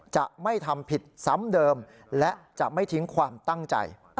จะไม่ทำผิดซ้ำเดิมและจะไม่ทิ้งความตั้งใจ